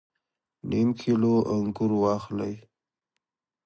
نیم کیلو انګور واخلئ